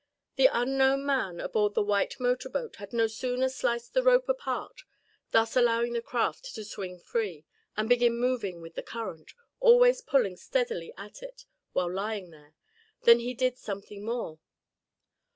The unknown man aboard the white motor boat had no sooner sliced the rope apart, thus allowing the craft to swing free and begin moving with the current, always pulling steadily at it while lying there, than he did something more.